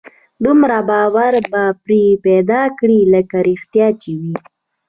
دومره باور به پرې پيدا کړي لکه رښتيا چې وي.